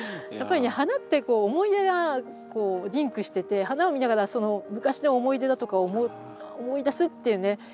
やっぱりね花ってこう思い出がこうリンクしてて花を見ながらその昔の思い出だとかを思い出すっていうね